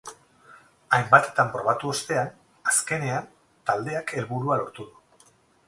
Hainbatetan probatu ostean, azkenean, taldeak helburua lortu du.